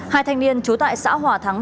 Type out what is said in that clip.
hai thanh niên trú tại xã hòa thắng